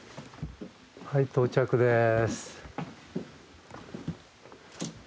はい到着です。